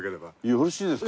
よろしいですか？